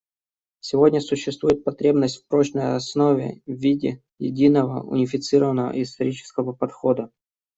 Сегодня существует потребность в прочной основе в виде единого, унифицированного исторического подхода.